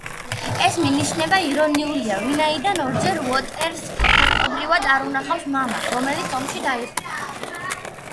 ეს მინიშნება ირონიულია, ვინაიდან როჯერ უოტერსს ფაქტობრივად, არ უნახავს მამა, რომელიც ომში დაიღუპა.